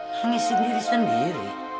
nangisin diri sendiri